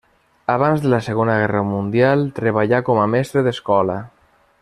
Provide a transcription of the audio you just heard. Abans de la Segona Guerra Mundial treballà com a mestre d'escola.